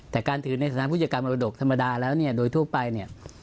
แต่การถือในสถานผู้จัดการมรดกธรรมดาแล้วเนี่ยโดยทั่วไปเนี่ย